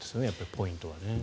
ポイントはね。